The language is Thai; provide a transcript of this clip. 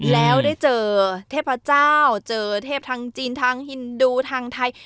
แล้วได้เจอเทพเจ้าเจอเทพทางจีนทางฮินดูทางไทย